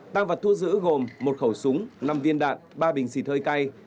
tăng vật thu giữ gồm một khẩu súng năm viên đạn ba bình xịt hơi cay